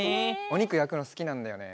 おにくやくのすきなんだよね。